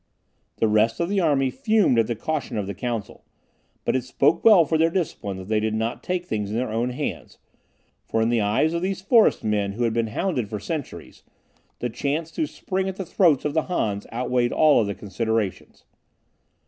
The rest of the army fumed at the caution of the council, but it spoke well for their discipline that they did not take things in their own hands, for in the eyes of those forest men who had been hounded for centuries, the chance to spring at the throats of the Hans outweighed all other considerations.